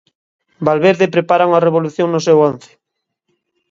Valverde prepara unha revolución no seu once.